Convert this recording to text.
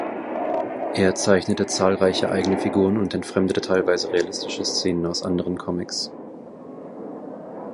Er zeichnete zahlreiche eigene Figuren und entfremdete teilweise realistische Szenen aus anderen Comics.